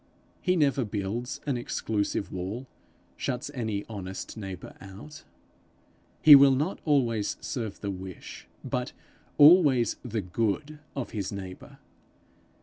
He never builds an exclusive wall, shuts any honest neighbour out. He will not always serve the wish, but always the good of his neighbour.